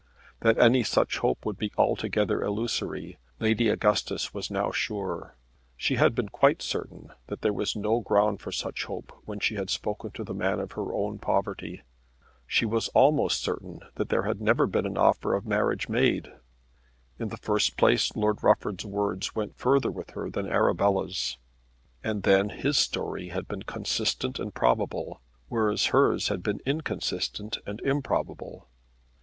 That any such hope would be altogether illusory Lady Augustus was now sure. She had been quite certain that there was no ground for such hope when she had spoken to the man of her own poverty. She was almost certain that there had never been an offer of marriage made. In the first place Lord Rufford's word went further with her than Arabella's, and then his story had been consistent and probable, whereas hers had been inconsistent and improbable.